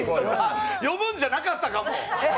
呼ぶんじゃなかったかも。